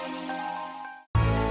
sekarang ibu masuk